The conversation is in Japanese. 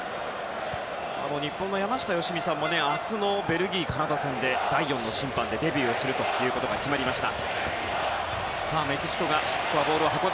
日本の山下良美さんも明日のベルギー、カナダ戦で第４の審判でデビューすることが決まりました。